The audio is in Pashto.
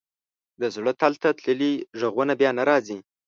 د زړه تل ته تللي ږغونه بېرته نه راځي.